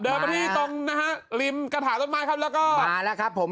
มาที่ตรงนะฮะริมกระถาต้นไม้ครับแล้วก็มาแล้วครับผม